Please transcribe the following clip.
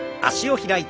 開いて。